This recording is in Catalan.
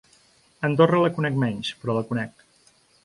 Andorra la conec menys, però la conec.